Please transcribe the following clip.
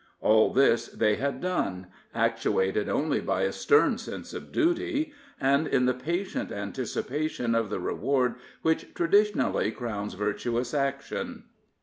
All this they had done, actuated only by a stern sense of duty, and in the patient anticipation of the reward which traditionally crowns virtuous action.